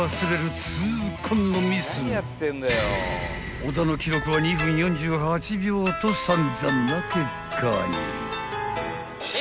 ［小田の記録は２分４８秒と散々な結果に］